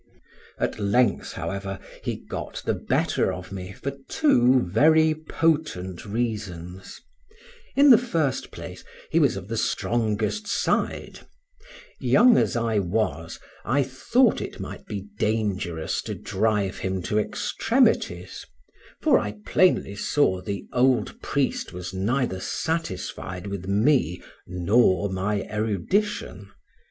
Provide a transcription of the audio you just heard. At length, however, he got the better of me for two very potent reasons; in the first place, he was of the strongest side; young as I was, I thought it might be dangerous to drive him to extremities, for I plainly saw the old priest was neither satisfied with me nor my erudition.